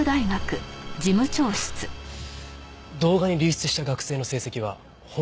動画に流出した学生の成績は本物なんですか？